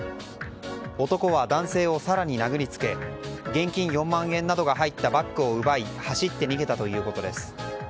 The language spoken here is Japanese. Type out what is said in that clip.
男は男性を更に殴りつけ現金４万円などが入ったバッグを奪い走って逃げたということです。